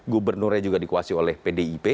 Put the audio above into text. gubernurnya juga dikuasai oleh pdip